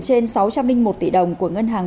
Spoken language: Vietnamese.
trên sáu trăm linh một tỷ đồng của ngân hàng